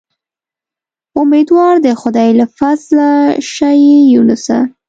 امیدوار د خدای له فضله شه اې یونسه.